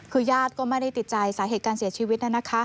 คือญาติก็ไม่ได้ติดใจสาเหตุการเสียชีวิต